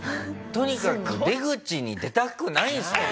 とにかく出口に出たくないんですね。